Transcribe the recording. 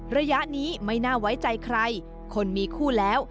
ระยะนี้ไม่น่าไว้ใจใครคนมีคู่แล้ว